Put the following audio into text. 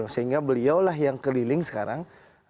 sehingga beliau lah yang keliling sekarang